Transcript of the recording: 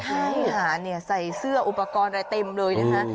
ใช่ค่ะใส่เสื้ออุปกรณ์อะไรเต็มเลยนะคะ